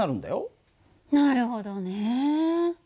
なるほどね。